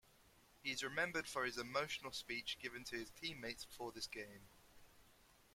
He is remembered for his emotional speech given to his teammates before this game.